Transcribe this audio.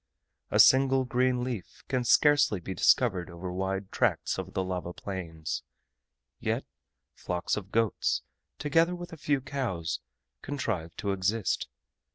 A single green leaf can scarcely be discovered over wide tracts of the lava plains; yet flocks of goats, together with a few cows, contrive to exist.